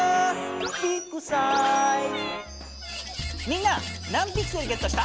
みんな何ピクセルゲットした？